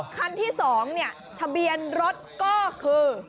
คันที่๒เนี่ยทะเบียนรถก็คือ